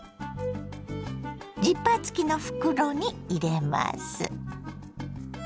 ジッパー付きの袋に入れます。